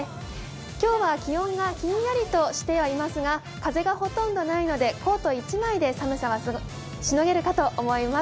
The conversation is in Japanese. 今日は気温がひんやりとしてはいますが、風がほとんどないので、コート１枚で寒さはしのげるかと思います。